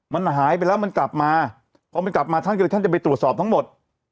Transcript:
มันหายไปแล้วมันกลับมาพอมันกลับมาท่านก็เลยท่านจะไปตรวจสอบทั้งหมด